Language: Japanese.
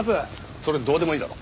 それどうでもいいだろ。